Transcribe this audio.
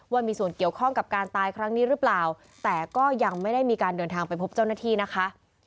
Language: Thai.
ว่ามีส่วนเกี่ยวข้องกับการตายครั้งนี้หรือเปล่าแต่ก็ยังไม่ได้มีการเดินทางไปพบเจ้าหน้าที่นะคะ